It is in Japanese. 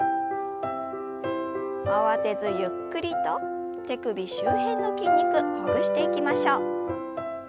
慌てずゆっくりと手首周辺の筋肉ほぐしていきましょう。